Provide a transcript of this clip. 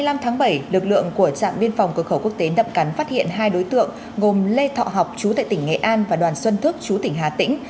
ngày năm tháng bảy lực lượng của trạm biên phòng cửa khẩu quốc tế nậm cắn phát hiện hai đối tượng gồm lê thọ học chú tại tỉnh nghệ an và đoàn xuân thức chú tỉnh hà tĩnh